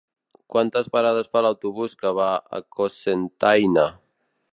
Quines parades fa l'autobús que va a Cocentaina?